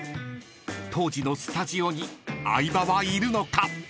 ［当時のスタジオに相葉はいるのか？］